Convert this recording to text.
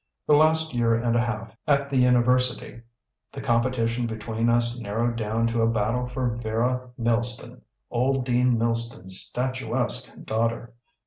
The last year and a half at the university, the competition between us narrowed down to a battle for Vera Milston, old Dean Milston's statuesque daughter.